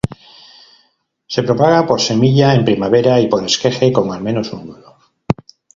Se propaga por semilla en primavera y por esqueje con, al menos, un nudo.